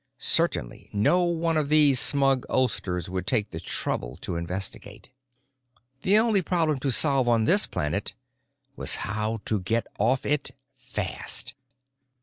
Certainly no one of these smug oldsters would take the trouble to investigate. The only problem to solve on this planet was how to get off it—fast.